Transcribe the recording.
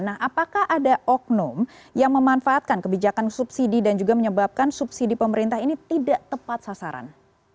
nah apakah ada oknum yang memanfaatkan kebijakan subsidi dan juga menyebabkan subsidi pemerintah ini tidak tepat sasaran